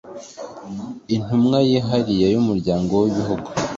Intumwa Yihariye y Umuryango w Ibihugu